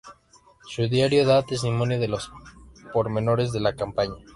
Su diario da testimonio de los pormenores de la campaña.